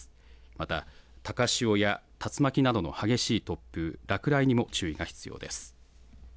また高潮や竜巻などの激しい突風、落雷にも注意が必要です。